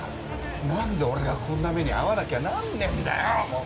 何で俺がこんな目に遭わなきゃなんねえんだよもう！